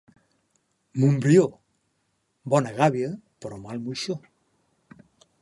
Montbrió, bona gàbia però mal moixó.